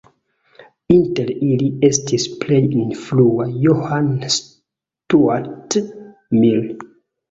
Inter ili estis plej influa John Stuart Mill.